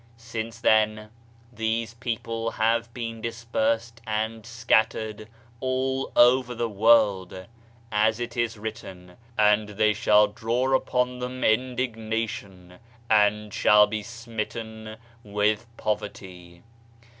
Since then, these people have been dispersed and scattered all over the world. As it is written: "And they shall draw upon them indignation and shall be smitten with poverty.'